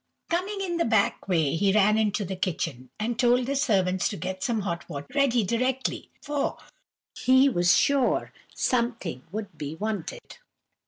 Coming in the back way, he ran into the kitchen, and told the servants to get some hot water ready directly, for he was sure something would be wanted.